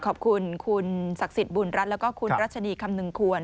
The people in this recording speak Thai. ขอบคุณคุณศักดิ์สิทธิ์บุญรัฐแล้วก็คุณรัชนีคำนึงควร